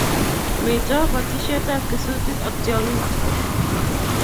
Mito batishet ab kesutik ak tiong'ik